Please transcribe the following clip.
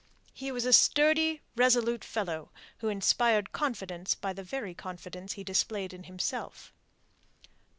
He was a sturdy, resolute fellow who inspired confidence by the very confidence he displayed in himself.